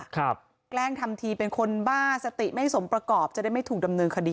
แกล้งทำทีเป็นคนบ้าสติไม่สมประกอบจะได้ไม่ถูกดำเนินคดี